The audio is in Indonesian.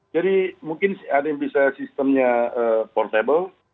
jadi mungkin ada yang bisa sistemnya portable